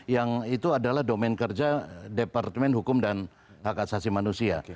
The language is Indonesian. yang itu adalah domen kerja departemen hukum dan hak asasi manusia